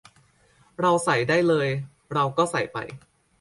เราใส่ได้เลย เราก็ใส่ไป